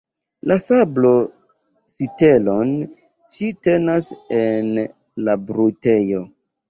La sablo-sitelon ŝi tenas en la brutejo.